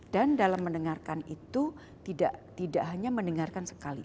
dan dalam mendengarkan itu tidak hanya mendengarkan sekali